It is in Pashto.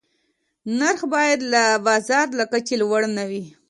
نرخ باید د بازار له کچې لوړ نه وي.